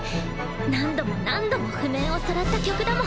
何度も何度も譜面をさらった曲だもん